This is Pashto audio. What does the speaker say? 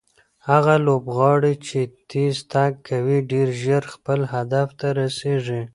هغه لوبغاړی چې تېز تګ کوي ډېر ژر خپل هدف ته رسیږي.